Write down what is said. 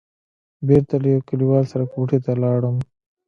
بېرته له يوه کليوال سره کوټې ته ولاړم.